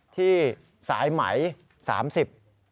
ที่สายไหม๓๐บาท